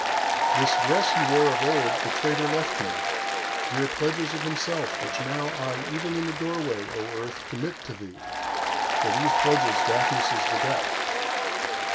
_ "This dress he wore of old the traitor left me, dear pledges of himself; which now I even in the doorway, O earth, commit to thee; for these pledges Daphnis is the debt.